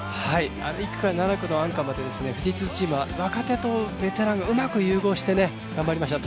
１区から７区のアンカーまで富士通チームは若手とベテランがうまく融合して頑張りました。